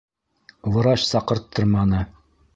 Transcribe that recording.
Врач саҡырттырманы.